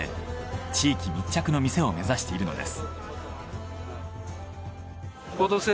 地域密着の店を目指しているのです。